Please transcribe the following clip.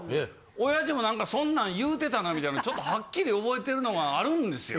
親父もなんかそんなん言うてたなみたいなちょっとハッキリ覚えてるのがあるんですよ。